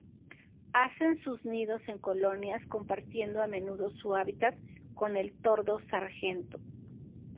Hacen sus nidos en colonias, compartiendo a menudo su hábitat con el tordo sargento.